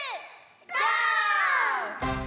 ゴー！